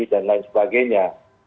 dan lain sebagainya